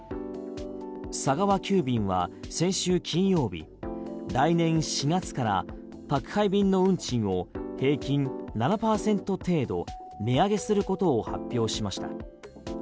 佐川急便は先週金曜日来年４月から宅配便の運賃を平均７％程度値上げすることを発表しました。